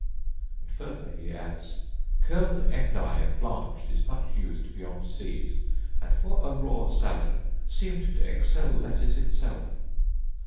And further he adds 'curled endive blanched is much used beyond seas; and, for a raw sallet, seemed to excel lettuce itself.